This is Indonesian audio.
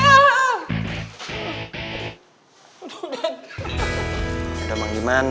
yaudah emang diman